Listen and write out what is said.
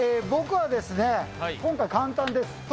僕はですね、今回、簡単です。